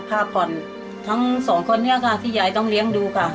ผ้าพรทั้ง๒คนนี้ที่ยายต้องเลี้ยงดูค่ะ